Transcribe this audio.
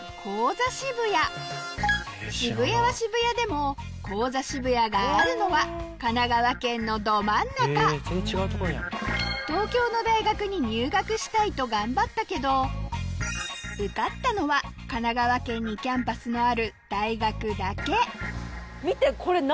渋谷は渋谷でも高座渋谷があるのは神奈川県のど真ん中東京の大学に入学したいと頑張ったけど受かったのは神奈川県にキャンパスのある大学だけ見てこれ何？